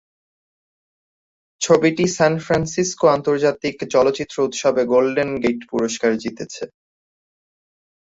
ছবিটি San Francisco আন্তর্জাতিক চলচ্চিত্র উৎসবে গোল্ডেন গেট পুরস্কার জিতেছে।